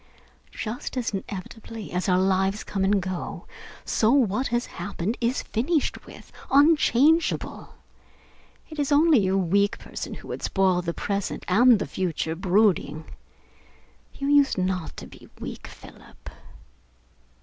Just as inevitably as our lives come and go, so what has happened is finished with, unchangeable. It is only a weak person who would spoil the present and the future, brooding. You used not to be weak, Philip."